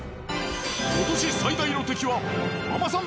今年最大の敵はママさん